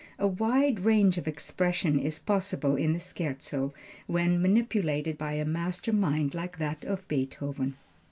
A wide range of expression is possible in the Scherzo when manipulated by a master mind like that of Beethoven.